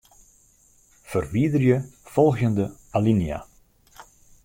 Ferwiderje folgjende alinea.